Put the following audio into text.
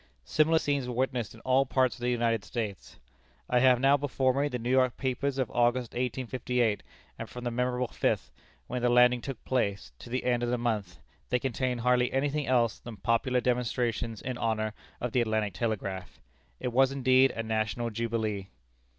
Similar scenes were witnessed in all parts of the United States. I have now before me the New York papers of August, 1858, and from the memorable fifth, when the landing took place, to the end of the month, they contain hardly any thing else than popular demonstrations in honor of the Atlantic Telegraph. It was indeed a national jubilee.